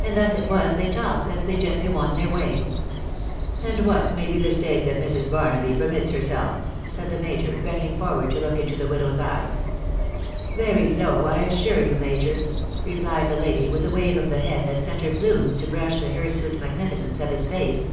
And thus it was they talked, as they gently won their way. " And what may be the stake Mrs. Barnaby permits her self?" said the major, bending forward to look into the widow's eyes. €€ Very low, I assure you, major!" replied the lady, with a wave of the head that sent her plumes to brush, the hirsute magnificence of his face.